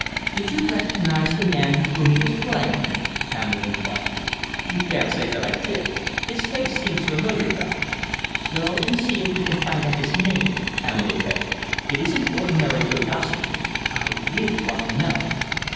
"Did you recognise the man with whom he was playing?" Pamela inquired. "Can't say that I did. His face seems familiar, too." "Go and see if you can find out his name," Pamela begged. "It isn't ordinary curiosity. I really want to know."